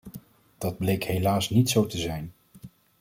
Dat bleek helaas niet zo te zijn.